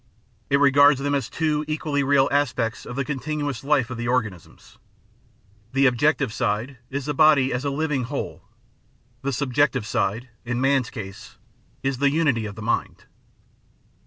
It regards them as two equally real aspects of the continuous life of the organisms. ... The objective side is the body as a living whole; the subjective side, in Man's case, is the unity of mind.